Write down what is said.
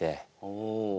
おお。